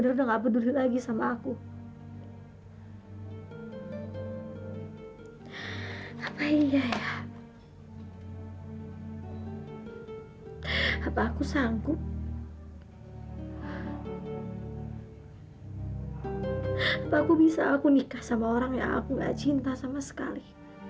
apa aku bisa aku nikah sama orang yang aku gak cinta sama sekali